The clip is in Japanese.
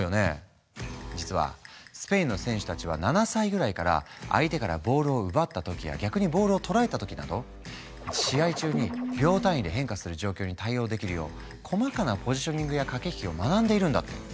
実はスペインの選手たちは７歳ぐらいから相手からボールを奪った時や逆にボールを取られた時など試合中に秒単位で変化する状況に対応できるよう細かなポジショニングや駆け引きを学んでいるんだって。